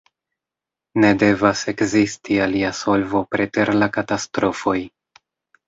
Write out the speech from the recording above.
Ne devas ekzisti alia solvo preter la katastrofoj.